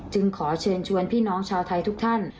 ขอเชิญชวนพี่น้องชาวไทยทุกท่าน